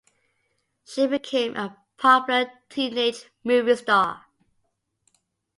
She became a popular teenage movie star.